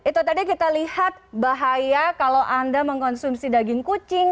itu tadi kita lihat bahaya kalau anda mengkonsumsi daging kucing